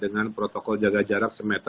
dengan protokol jaga jarak satu dua meter